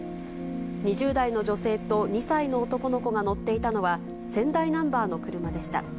２０代の女性と２歳の男の子が乗っていたのは、仙台ナンバーの車でした。